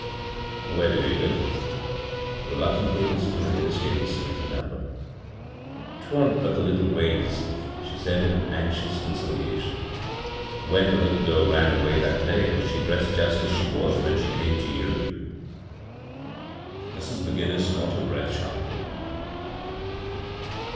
" Where did he live ?" Reluctantly Mrs. McGinnis gave the street and qumber. " 'Twa'n't but a little ways," she said in anxious conciliation. " When the little girl ran away that day, was she dressed just as she was when she came to you ?" Mrs. McGinnis caught her breath sharply.